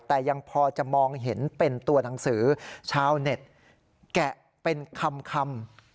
แต่ยังพอจะมองเห็นเป็นตัวหนังสือชาวเน็ตแกะเป็นคำ